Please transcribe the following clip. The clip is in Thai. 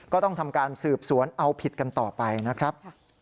ก็ต้องทำการสืบสวนเอาผิดกันต่อไปนะครับ